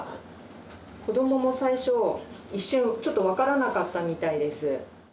子どもも最初一瞬ちょっとわからなかったみたいです。